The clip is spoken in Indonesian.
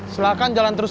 silahkan jalan terus aja